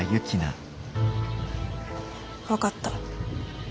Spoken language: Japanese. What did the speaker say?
分かった。